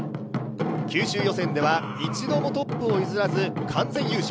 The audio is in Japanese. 九州予選では一度もトップを譲らず完全優勝。